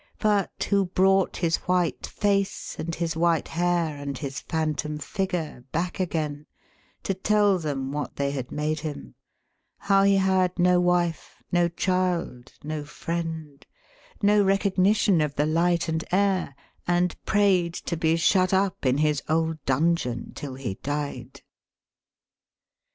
But, who brought his white face, and his white hair, and his phantom figure, back again, to tell them what they had made him —how he had no wife, no child, 110 friend, no recognition, of the light and air — and prayed to be shut up in his old dungeon till he died.